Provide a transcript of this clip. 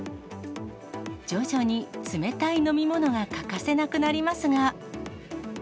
徐々に冷たい飲み物が欠かせなくなりますが。